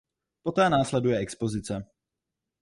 Poté následuje expozice.